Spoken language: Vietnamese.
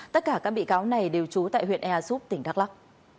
tất cả các bị cáo này đều trú tại huyện ea súp tỉnh đắk lắc